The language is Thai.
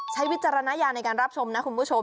วิจารณญาณในการรับชมนะคุณผู้ชม